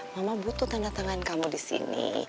mama butuh tanda tangan kamu disini